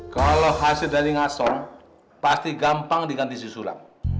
kalau hasil dari ngasong pasti gampang diganti si sulam